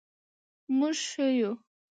مونږ ښه یو